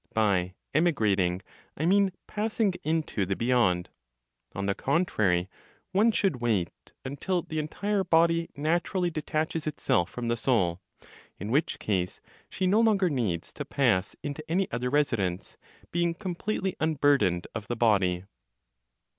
By "emigrating," I mean passing into the Beyond. On the contrary, one should wait until the entire body naturally detaches itself from the soul; in which case she no longer needs to pass into any other residence, being completely unburdened of the body.